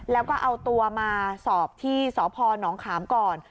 แล้วก็เอาตัวมาสอบที่สพนขามก่อน